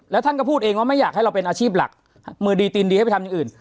แล้วท่านก็พูดเองว่าไม่อยากให้เราเป็นอาชีพหลักมือดีตีนดีให้ไปทำอย่างอื่น